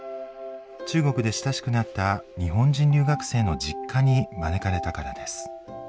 中国で親しくなった日本人留学生の実家に招かれたからです。